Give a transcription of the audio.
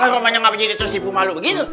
romanya ngapain jadi terus sibuk malu begitu